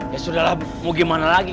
ya sudahlah mau gimana lagi